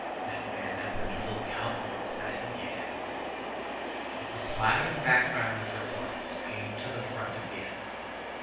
That man has an evil countenance, that he has." But the smiling background of her thoughts came to the front again.